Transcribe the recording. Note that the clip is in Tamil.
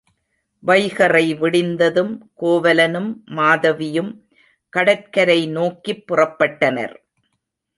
வைகறை விடிந்ததும் கோவலனும் மாதவியும் கடற்கரை நோக்கிப் புறப்பட்டனர்.